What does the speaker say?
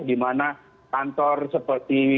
di mana kantor seperti